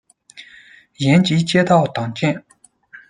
延吉街道党建